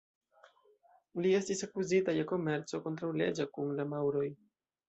Li estis akuzita je komerco kontraŭleĝa kun la maŭroj.